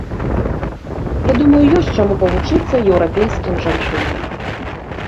Я думаю, ёсць чаму павучыцца еўрапейскім жанчынам.